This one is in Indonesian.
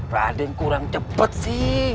raden kurang cepat sih